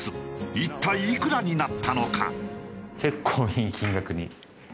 一体いくらになったのか？